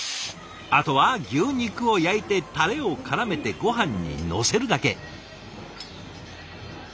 あとは牛肉を焼いてタレをからめてごはんにのせるだけ。